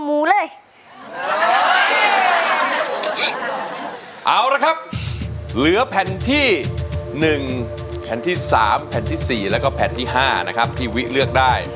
เอาละครับเหลือแผ่นที่๑แผ่นที่๓แผ่นที่๔แล้วก็แผ่นที่๕นะครับที่วิเลือกได้